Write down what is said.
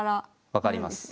分かります。